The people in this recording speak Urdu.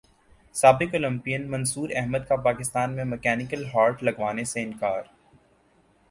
سابق اولمپئن منصوراحمد کا پاکستان میں مکینیکل ہارٹ لگوانے سے انکار